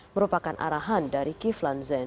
merupakan arahan dari kiflan zen